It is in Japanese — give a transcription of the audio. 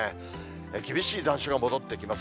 厳しい残暑が戻ってきます。